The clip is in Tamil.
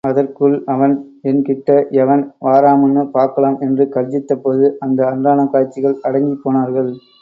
அதற்குள் அவன், என்கிட்ட எவன் வாராமுன்னு பாக்கலாம் என்று கர்ஜித்தபோது அந்த அன்றாடம் காய்ச்சிகள் அடங்கிப் போனார்கள்.